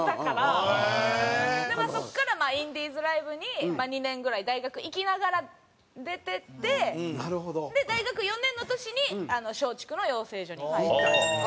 まあそこからインディーズライブに２年ぐらい大学行きながら出てって大学４年の年に松竹の養成所に入ってっていう流れですね。